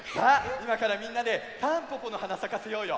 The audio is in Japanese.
いまからみんなでたんぽぽのはなさかせようよ！